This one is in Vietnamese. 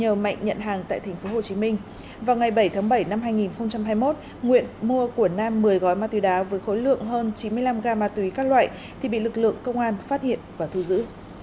vào ngày bảy tháng bảy năm hai nghìn hai mươi một nguyễn mua của nam một mươi gói ma túy đá với khối lượng hơn chín mươi năm g ma túy các loại thì bị lực lượng công an phát hiện và thu giữ